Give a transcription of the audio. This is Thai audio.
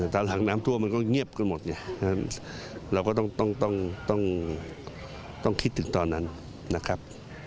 ตอนหลังน้ำท่วมมันก็เงียบกันหมดไงเราก็ต้องคิดถึงตอนนั้นนะครับ